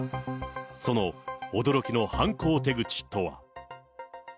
その驚きの犯行手口とは。